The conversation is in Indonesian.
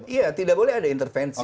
iya tidak boleh ada intervensi